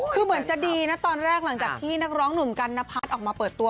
คือเหมือนจะดีนะตอนแรกหลังจากที่นักร้องหนุ่มกันนพัฒน์ออกมาเปิดตัว